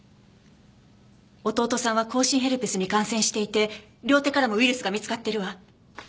弟さんは口唇ヘルペスに感染していて両手からもウイルスが見つかっているわ。